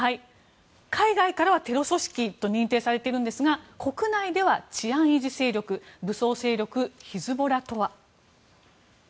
海外からはテロ組織と認定されていますが国内では治安維持勢力武装勢力ヒズボラとは。